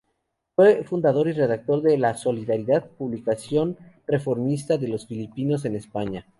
Fue fundador y redactor de "La Solidaridad", publicación reformista de los filipinos en España.